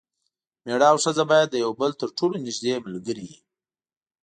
میړه او ښځه باید د یو بل تر ټولو نږدې ملګري وي.